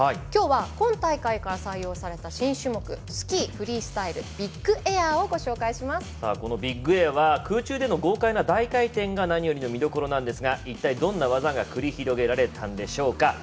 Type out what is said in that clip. きょうは今大会から採用された新種目スキーフリースタイルこのビッグエアは空中での豪快な大回転が何よりの見どころなんですが一体どんな技が繰り広げられたのでしょうか。